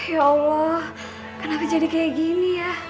ya allah kenapa jadi kayak gini ya